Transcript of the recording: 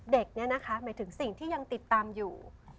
เด็กเนี่ยนะคะหมายถึงสิ่งที่ยังติดตามอยู่